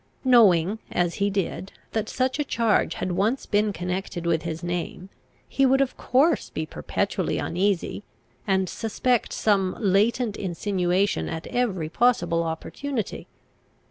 Knowing, as he did, that such a charge had once been connected with his name, he would of course be perpetually uneasy, and suspect some latent insinuation at every possible opportunity.